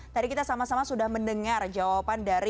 tadi kita sama sama sudah mendengar jawaban dari